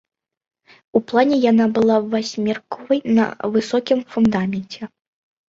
У плане яна была васьмерыковай на высокім фундаменце.